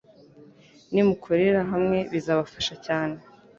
Nimukorera hamwebizabafasha cyane,